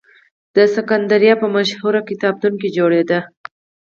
د سکندریه په مشهور کتابتون کې جوړېده.